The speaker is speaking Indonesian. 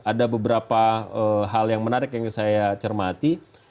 ada beberapa hal yang menarik yang saya cermati